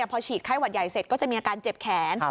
พอฉีดไข้หวัดใหญ่เสร็จก็จะมีอาการเจ็บแขน